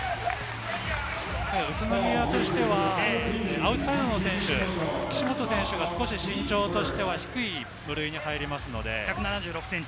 宇都宮としてはアウトサイドの選手、岸本選手が少し身長としては低い部類になります。